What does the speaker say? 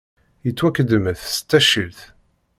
Yettwakedmet s taccilt.